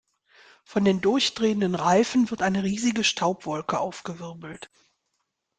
Von den durchdrehenden Reifen wird eine riesige Staubwolke aufgewirbelt.